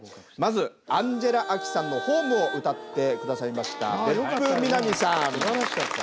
まずアンジェラ・アキさんの「ＨＯＭＥ」を歌って下さいました別府南実さん。